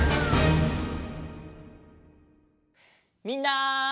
みんな。